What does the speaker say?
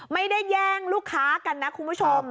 ไม่ได้แย่งลูกค้ากันนะคุณผู้ชม